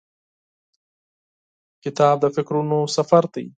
کتاب د فکرونو سفر دی.